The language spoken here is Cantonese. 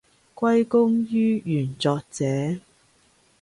歸功於原作者